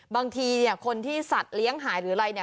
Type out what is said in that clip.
บางทีคนที่สัตว์เลี้ยงหายหรืออะไร